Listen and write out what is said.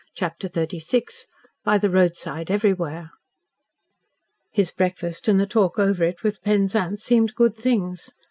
CHAPTER XXXVI BY THE ROADSIDE EVERYWHERE His breakfast and the talk over it with Penzance seemed good things.